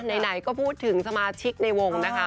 ไหนก็พูดถึงสมาชิกในวงนะคะ